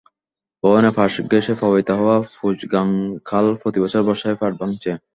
ভবনের পাশ ঘেঁষে প্রবাহিত হওয়া পূজগাঙ খাল প্রতিবছর বর্ষায় পাড় ভাঙছে।